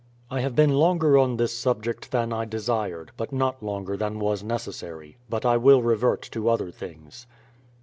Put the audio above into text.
I have been longer on this subject than I desired, but not longer than was necessary. But I will revert to other things.